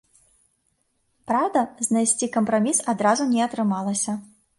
Праўда, знайсці кампраміс адразу не атрымалася.